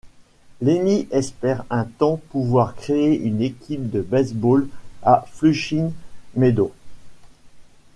Lenny espère un temps pouvoir créer une équipe de baseball à Flushing Meadows.